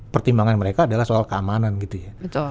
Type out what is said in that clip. pertimbangan mereka adalah soal keamanan gitu ya